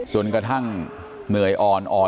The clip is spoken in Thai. จนกระทั่งเหนื่อยอ่อนอ่อน